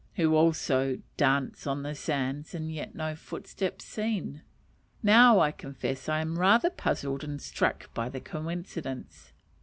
who also "dance on the sands, and yet no footstep seen." Now I confess I am rather puzzled and struck by the coincidence.